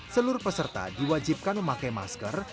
seluruh peserta diwajibkan memakai masker